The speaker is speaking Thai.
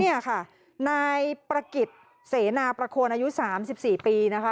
เนี่ยค่ะนายประกิจเสนาประโคนอายุ๓๔ปีนะคะ